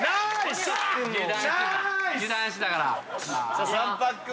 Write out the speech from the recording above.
さあ３パック目。